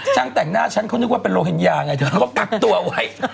ช่างแต่งหน้าฉันเขานึกว่าเป็นโลฮิงญาไงเธอเขาก็กักตัวไว้